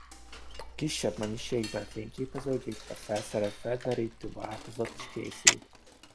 Kisebb mennyiségben fényképezőgéppel felszerelt felderítő-változat is készült.